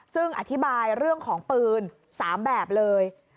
ซึ่งอธิบายเรื่องของปืน๓แบบเลย